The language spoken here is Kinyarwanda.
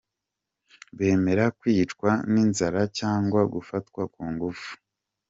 Bemera kwicwa n’inzara cyangwa gufatwa ku ngufu.